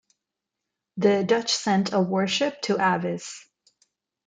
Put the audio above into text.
The Dutch sent a warship to Aves.